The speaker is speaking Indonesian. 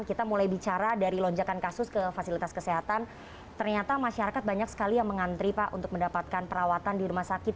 kita mulai bicara dari lonjakan kasus ke fasilitas kesehatan ternyata masyarakat banyak sekali yang mengantri pak untuk mendapatkan perawatan di rumah sakit